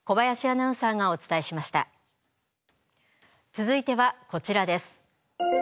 続いてはこちらです。